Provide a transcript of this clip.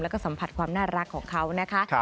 แล้วก็สัมผัสความน่ารักของเขานะคะ